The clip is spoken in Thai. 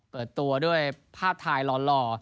เปิดตัวด้วยผ้าทายหล่อ